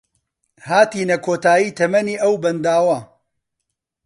هاتینە کۆتایی تەمەنی ئەو بەنداوە